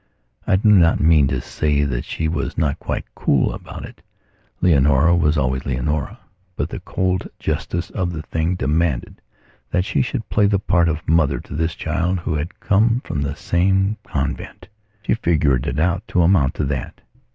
I do not mean to say that she was not quite cool about it. Leonora was always Leonora. But the cold justice of the thing demanded that she should play the part of mother to this child who had come from the same convent. She figured it out to amount to that.